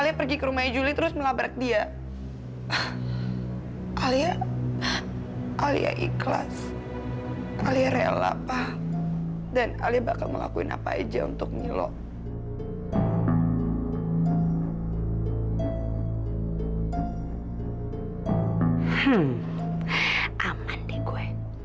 hmm aman deh gue